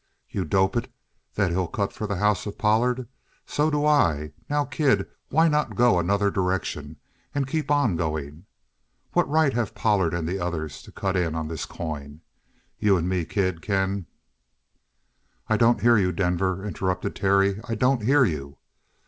"You dope it that he'll cut for the house of Pollard? So do I. Now, kid, why not go another direction and keep on going? What right have Pollard and the others to cut in on this coin? You and me, kid, can " "I don't hear you, Denver," interrupted Terry. "I don't hear you.